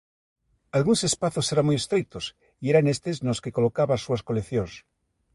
Algúns espazos eran moi estreitos e era nestes nos que colocaba as súas coleccións.